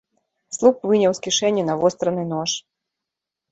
Слуп выняў з кішэні навостраны нож.